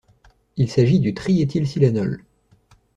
Il s'agit du triéthylsilanol.